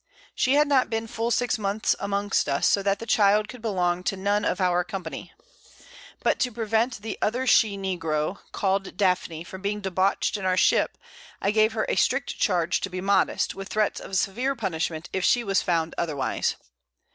She had not been full 6 Months amongst us, so that the Child could belong to none of our Company. But to prevent the other she Negro (call'd Daphne) from being debauch'd in our Ship, I gave her a strict Charge to be modest, with Threats of severe Punishment, if she was found otherwise.